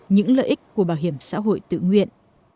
những lợi ích của bảo hiểm xã hội tự nguyện